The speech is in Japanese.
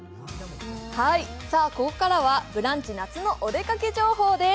ここからは「ブランチ」夏のお出かけ情報です。